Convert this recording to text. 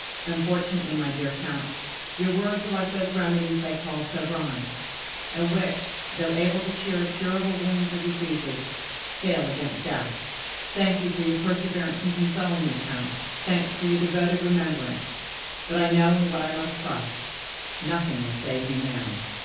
Unfortunately, my dear count, your words are like those remedies they call 'sovereign,' and which, though able to cure curable wounds or diseases, fail against death. Thank you for your perseverance in consoling me, count, thanks for your devoted remembrance, but I know in what I must trust—nothing will save me now.